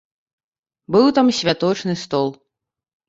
Быў там святочны стол.